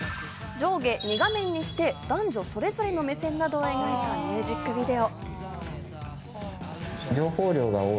上下２画面にして男女それぞれの目線などを描いたミュージックビデオ。